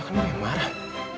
kamu yang marah